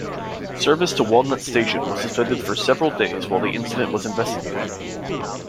Service to Walnut station was suspended for several days while the incident was investigated.